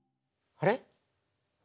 あれ？